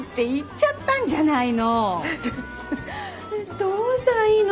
どうしたらいいの？